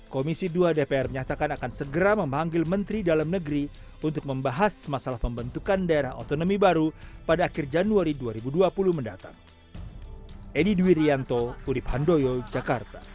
komisi dua dpr menyatakan akan segera memanggil menteri dalam negeri untuk membahas masalah pembentukan daerah otonomi baru pada akhir januari dua ribu dua puluh mendatang